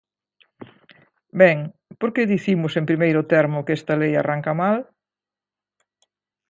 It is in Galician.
Ben, ¿por que dicimos en primeiro termo que esta lei arranca mal?